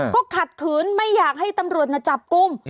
ก็ขัดขืนไม่อยากให้ตำรวจจับกลุ่ม